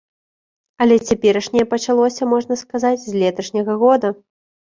Але цяперашняе пачалося, можна сказаць, з леташняга года.